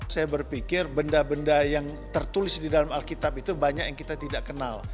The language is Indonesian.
saya berpikir benda benda yang tertulis di dalam alkitab itu banyak yang kita tidak kenal